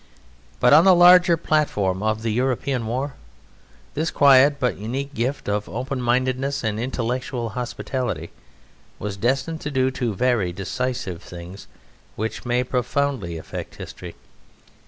But on the larger platform of the European War, this quiet but unique gift of open mindedness and intellectual hospitality was destined to do two very decisive things, which may profoundly affect history.